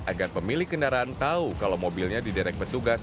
agar pemilik kendaraan tahu kalau mobilnya diderek petugas